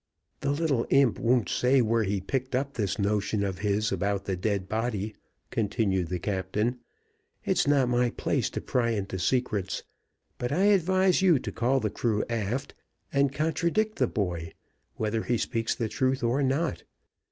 "The little imp won't say where he picked up this notion of his about the dead body," continued the captain. "It's not my place to pry into secrets; but I advise you to call the crew aft, and contradict the boy, whether he speaks the truth or not.